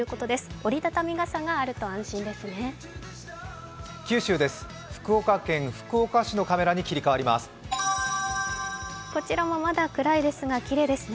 折り畳み傘があると安心ですね。